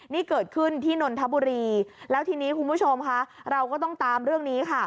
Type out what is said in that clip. นี่เกิดขึ้นที่นนทบุรีแล้วทีนี้คุณผู้ชมค่ะเราก็ต้องตามเรื่องนี้ค่ะ